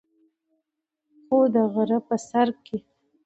خو د غرۀ پۀ سر کښې